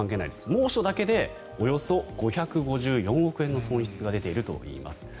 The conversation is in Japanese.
猛暑だけでおよそ５５４億円の損失が出ているといいます。